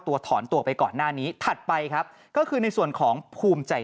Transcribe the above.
ถอนตัวไปก่อนหน้านี้ถัดไปครับก็คือในส่วนของภูมิใจ